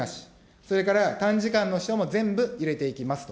それから短時間の人も全部入れていきますと。